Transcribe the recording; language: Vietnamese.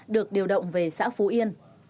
được điều động về xã phú yên